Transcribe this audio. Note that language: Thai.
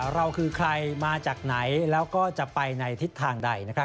เราคือใครมาจากไหนแล้วก็จะไปในทิศทางใด